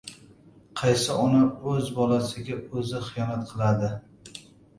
Qaysi ona o‘z bolasiga o‘zi xiyonat qiladi?